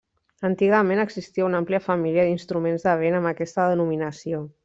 Antigament existia una àmplia família d'instruments de vent amb aquesta denominació.